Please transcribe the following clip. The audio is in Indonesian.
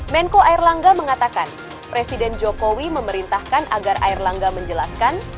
menko airlangga mengatakan presiden jokowi memerintahkan agar air langga menjelaskan